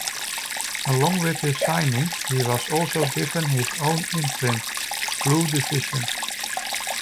Along with his signing, he was also given his own imprint, Blu Division.